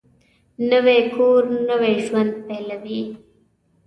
نوی کور نوی ژوند پېلوي